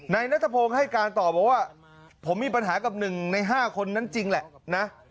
นายนัทพงศ์ให้การต่อบอกว่าผมมีปัญหากับ๑ใน๕คนนั้นจริงแหละนะ